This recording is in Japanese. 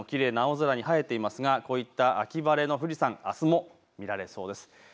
富士山もきれいな青空に映えていますがこういった秋空のもと、富士山、あすも見られそうです。